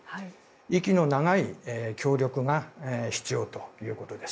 息の長い協力が必要ということです。